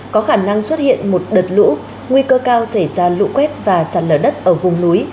có khả năng xuất hiện một đợt lũ nguy cơ cao xảy ra lũ quét và sạt lở đất ở vùng núi